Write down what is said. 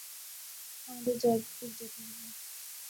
আমাদের জয়পুর যেতে হবে।